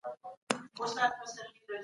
لس او اووه؛ اولس کېږي.